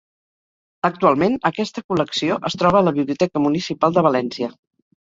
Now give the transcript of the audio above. Actualment aquesta col·lecció es troba a la Biblioteca Municipal de València.